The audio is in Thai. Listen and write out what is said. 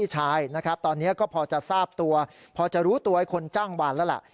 ชายนะครับตอนนี้ก็พอจะทราบตัวพอจะรู้ตัวคนจ้างวานแล้วล่ะ